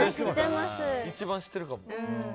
一番知ってるかも。